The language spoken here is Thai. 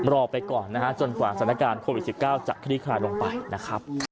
รอไปก่อนนะฮะจนกว่าสถานการณ์โควิด๑๙จะคลี่คลายลงไปนะครับ